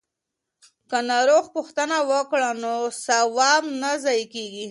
که ناروغ پوښتنه وکړو نو ثواب نه ضایع کیږي.